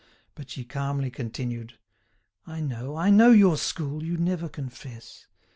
But she calmly continued: "I know, I know your school, you never confess.